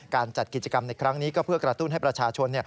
จัดกิจกรรมในครั้งนี้ก็เพื่อกระตุ้นให้ประชาชน